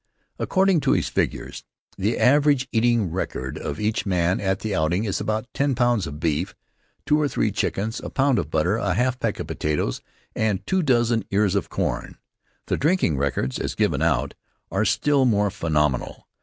According to his figures, the average eating record of each man at the outing is about ten pounds of beef, two or three chickens, a pound of butter, a half peck of potatoes, and two dozen ears of corn. The drinking records, as given out, are still more phenomenal.